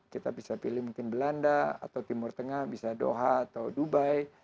kita bisa pilih mungkin belanda atau timur tengah bisa doha atau dubai